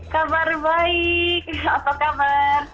kabar baik apa kabar